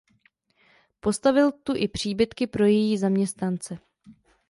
Postavil tu i příbytky pro její zaměstnance.